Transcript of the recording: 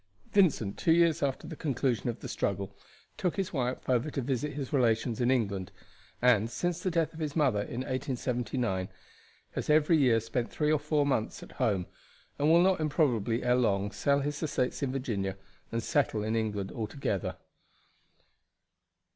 Vincent, two years after the conclusion of the struggle, took his wife over to visit his relations in England, and, since the death of his mother in 1879, has every year spent three or four months at home, and will not improbably ere long sell his estates in Virginia and settle in England altogether.